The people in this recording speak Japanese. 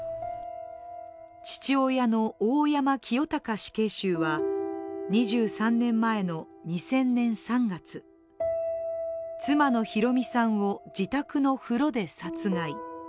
父親の大山清隆死刑囚は２３年前の２０００年３月妻の博美さんを自宅の風呂で殺害。